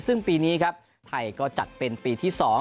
ซึ่งปีนี้ครับไทยก็จัดเป็นปีที่๒